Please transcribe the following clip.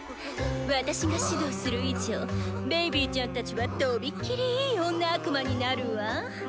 私が指導する以上ベイビーちゃんたちはとびきりいい女悪魔になるわ。